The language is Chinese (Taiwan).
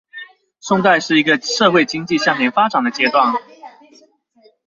宋代是一個社會經濟向前發展的階段